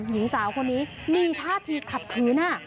หญิงสาวคนนี้มีท่าทีขัดขืน